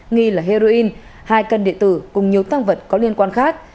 nghi là heroin hai cân điện tử cùng nhiều tăng vật có liên quan khác